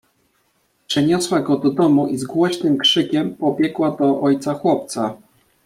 "Przeniosła go do domu i z głośnym krzykiem pobiegła do ojca chłopca."